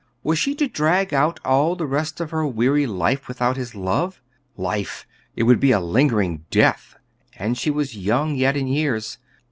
Was she to drag out all the rest of her weary life without his love? Life! It would be a lingering death, and she was young yet in years.